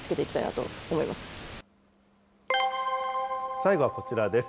最後はこちらです。